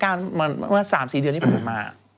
เข้ามาปี๕๙ประมาณ๓๔เดือนนี้ประมาณนี้